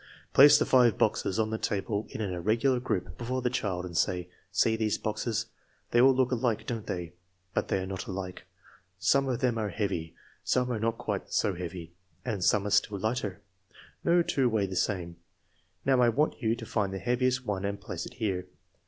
Place the five boxes on the table in an ir regular group before the child and say: " See these boxes. They all look alike, don't they? But they are not alike. Some of them are heavy, some are not quite so heavy, and some are still lighter. No two weigh the same. Now, I want you to find the heaviest one and place it here.